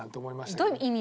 どういう意味？